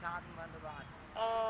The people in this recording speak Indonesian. sangat membantu banget